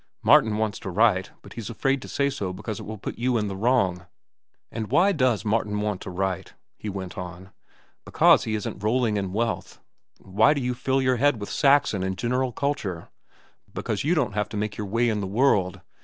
Martin wants to write, but he's afraid to say so because it will put you in the wrong." "And why does Martin want to write?" he went on. "Because he isn't rolling in wealth. Why do you fill your head with Saxon and general culture? Because you don't have to make your way in the world.